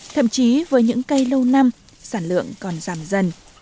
thậm chí với những cây lâu năm sản lượng còn giảm dần